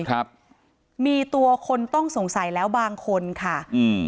ครับมีตัวคนต้องสงสัยแล้วบางคนค่ะอืม